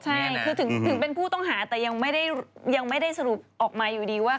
ใช่คือถึงเป็นผู้ต้องหาแต่ยังไม่ได้สรุปออกมาอยู่ดีว่า